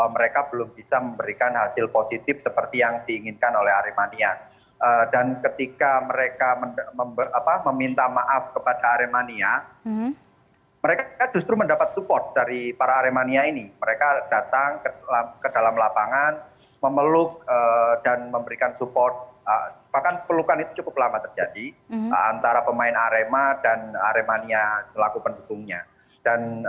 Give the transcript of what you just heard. mereka juga berkumpul di tengah lapangan